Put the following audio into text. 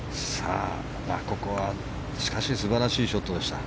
ここはしかし素晴らしいショットでした。